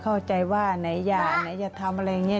เข้าใจว่าไหนอย่าไหนจะทำอะไรอย่างนี้